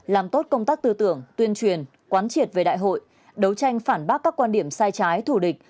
làm tốt công tác tư tưởng tuyên truyền quán triệt về đại hội đấu tranh phản bác các quan điểm sai trái thù địch